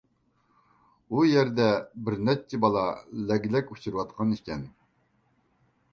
ئۇ يەردە بىر نەچچە بالا لەگلەك ئۇچۇرۇۋاتقان ئىكەن.